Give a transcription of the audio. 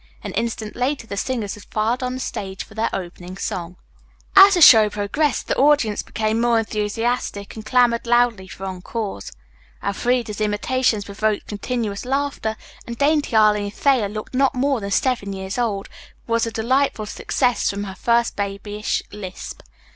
An instant later the singers had filed on the stage for their opening song. As the show progressed the audience became more enthusiastic and clamored loudly for encores. Elfreda's imitations provoked continuous laughter, and dainty Arline Thayer, looking not more than seven years old, was a delightful success from her first babyish lisp.